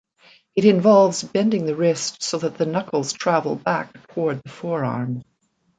It involves bending the wrist so that the knuckles travel back toward the forearm.